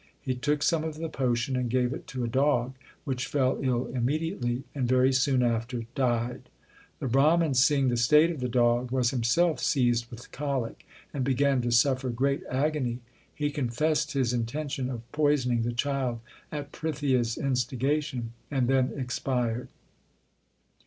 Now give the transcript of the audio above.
He took some of the potion and gave it to a dog, which fell ill immediately, and very soon after died. The Brahman, seeing the state of the dog, was himself seized with colic, and began to suffer great agony. He confessed his intention of poison ing the child at Prithia s instigation, and then expired.